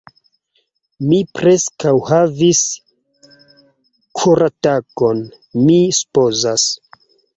Mi preskaŭ havis koratakon, mi supozas.